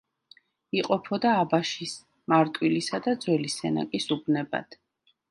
იყოფოდა აბაშის, მარტვილისა და ძველი სენაკის უბნებად.